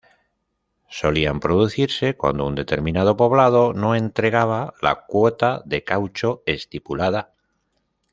Solían producirse cuando un determinado poblado no entregaba la cuota de caucho estipulada.